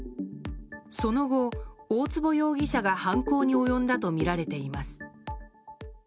その後、大坪容疑者が犯行に及んだとみられています。